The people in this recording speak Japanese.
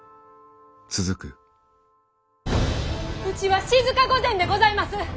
うちは静御前でございます！